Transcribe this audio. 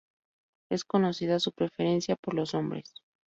Es conocida su preferencia por los hombres.